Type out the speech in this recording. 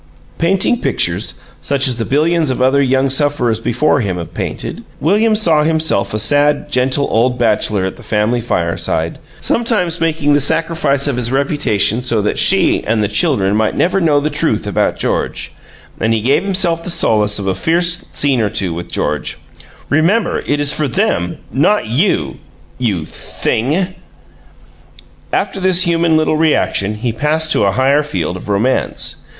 Painting pictures, such as the billions of other young sufferers before him have painted, William saw himself a sad, gentle old bachelor at the family fireside, sometimes making the sacrifice of his reputation so that SHE and the children might never know the truth about George; and he gave himself the solace of a fierce scene or two with George: "Remember, it is for them, not you you THING!" After this human little reaction he passed to a higher field of romance.